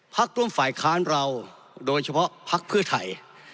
พักร่วมฝ่ายค้านเราโดยเฉพาะพักเพื่อไทย